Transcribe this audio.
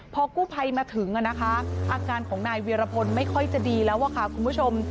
พอกู้ภัยมาถึงนะคะอาการของนายเวียรพลไม่ค่อยจะดีแล้วค่ะคุณผู้ชม